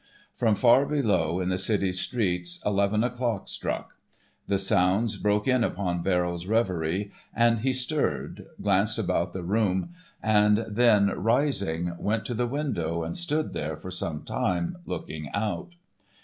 From far below in the city's streets eleven o'clock struck. The sounds broke in upon Verrill's reverie and he stirred, glanced about the room and then, rising, went to the window and stood there for some time looking out.